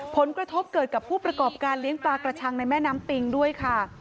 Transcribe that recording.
ผลกระทบเกิดกับผู้ประกอบการเลี้ยงปลากระชังในแม่น้ำปิงด้วยค่ะ